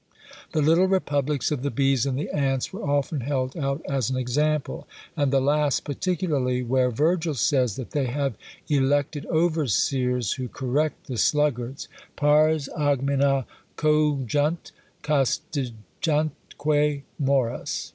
The little republics of the bees and the ants were often held out as an example; and the last particularly, where Virgil says, that they have elected overseers who correct the sluggards: " Pars agmina cogunt, Castigantque moras."